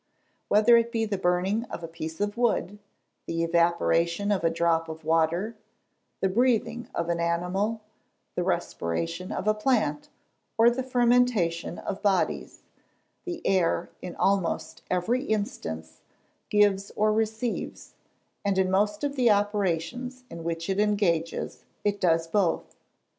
Whether it be the burning of a piece of wood, the evaporation of a drop of water, the breathing of an animal, the respiration of a plant, or the fermentation of bodies, the air in almost every instance gives or receives and in most of the operations in which it engages, it does both.